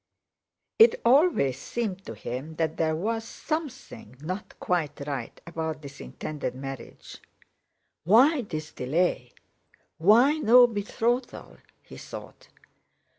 It always seemed to him that there was something not quite right about this intended marriage. "Why this delay? Why no betrothal?" he thought.